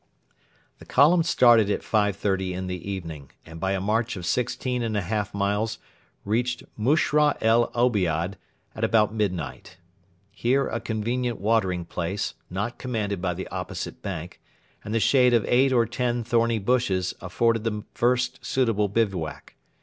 The column started at 5.30 in the evening, and by a march of sixteen and a half miles reached Mushra el Obiad at about midnight. Here a convenient watering place, not commanded by the opposite bank, and the shade of eight or ten thorny bushes afforded the first suitable bivouac.